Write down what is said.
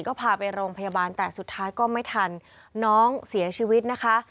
ก็พาไปโรงพยาบาลแต่สุดท้ายก็ไม่ทันน้องเสียชีวิตนะคะ